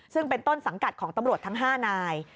ซึ่งเป็นต้นสังกัดของตำรวจทั้ง๕นาย